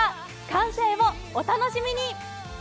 完成をお楽しみに。